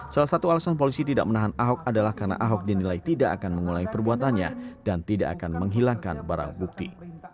salah satu alasan polisi tidak menahan ahok adalah karena ahok dinilai tidak akan mengulangi perbuatannya dan tidak akan menghilangkan barang bukti